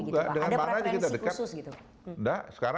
ada program yang khusus gitu